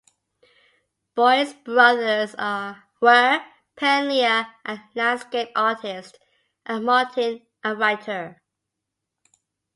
Boyd's brothers were Penleigh, a landscape artist, and Martin, a writer.